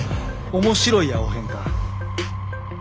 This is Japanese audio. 面白いやおへんか。